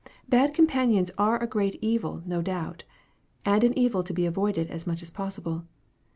Bad com panions are a great evil no doubt, and an evil to be avoided as much as possible.